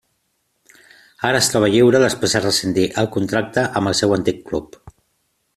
Ara es troba lliure després de rescindir el contracte amb el seu antic club.